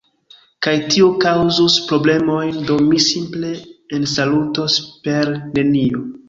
Kaj tio kaŭzus problemojn do mi simple ensalutos per nenio.